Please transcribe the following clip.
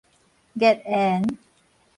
孽緣